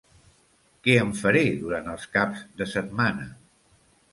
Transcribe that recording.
Què en faré durant els caps de setmana?